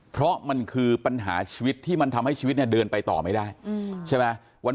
เพราะมันคือปัญหาชีวิตที่มันทำให้ชีวิตเนี่ยเดินไปต่อไม่ได้ใช่ไหม